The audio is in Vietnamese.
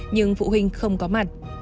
nhưng phụ huynh không có mặt